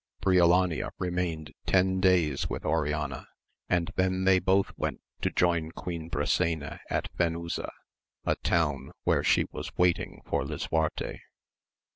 Briolania remained ten days with Oriana, and then they both went to join Queen Brisena at Fenusa, a town, where she was waiting for Lisuarte.